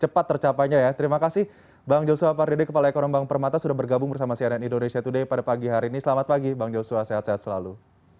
cepat tercapainya ya terima kasih bang joshua pardede kepala ekonomi bank permata sudah bergabung bersama cnn indonesia today pada pagi hari ini selamat pagi bang joshua sehat sehat selalu